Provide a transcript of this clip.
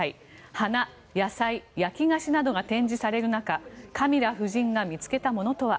花、野菜、焼き菓子などが展示される中カミラ夫人が見つけたものとは。